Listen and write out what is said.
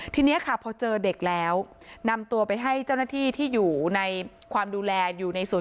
ทีนี้ค่ะพอเจอเด็กแล้วนำตัวไปให้เจ้าหน้าที่ที่อยู่ในความดูแลอยู่ในศูน